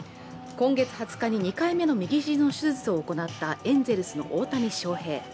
今月２０日に２回目の右肘の手術を行ったエンゼルスの大谷翔平。